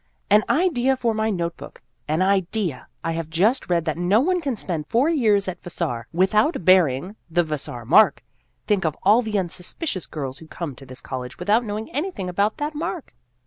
An idea for my note book. An Idea ! I have just read that no one can spend four years at Vassar without bearing the Vassar mark. Think of all the unsuspicious girls who come to this college without knowing anything about that mark